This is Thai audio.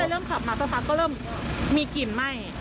เริ่มขับมาสักพักก็เริ่มมีกลิ่นไหม้